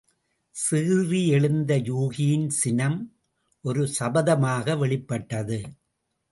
சீறியெழுந்த யூகியின் சினம் ஒரு சபதமாக வெளிப்பட்டது.